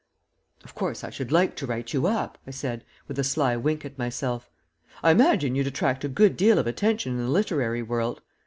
"Of course I should like to write you up," I said, with a sly wink at myself. "I imagine you'd attract a good deal of attention in the literary world.